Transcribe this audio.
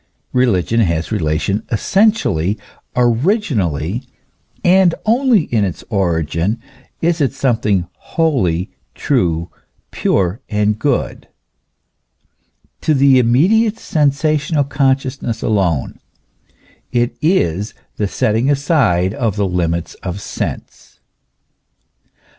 Religion has relation essentially, originally and only in its origin is it something holy, true, pure, and good to the immediate sensational con sciousness alone ; it is the setting aside of the limits of sense.